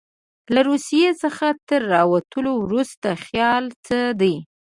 له روسیې څخه تر راوتلو وروسته خیال څه دی.